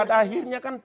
itu hal yang biasa